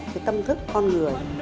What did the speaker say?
cái tâm thức con người